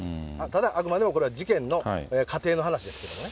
ただ、あくまでもこれは事件の仮定の話ですけどね。